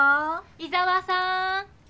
伊沢さーん。